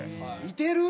いてる？